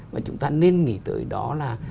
mà chúng ta nên nghĩ tới đó là